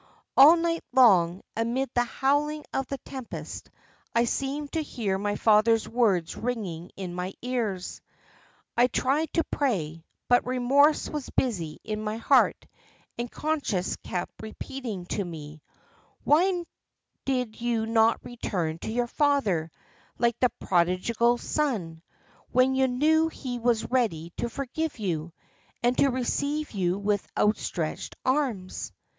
All night long, amid the howling of the tempest, I seemed to hear my father's words ringing in my ears. I tried to pray, but remorse was busy in my heart, and conscience kept repeating to me, 'Why did you not return to your father, like the prodigal son, when you knew he was ready to forgive you, and to receive you with outstretched arms?